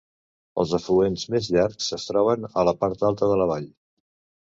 Els afluents més llargs es troben a la part alta de la vall.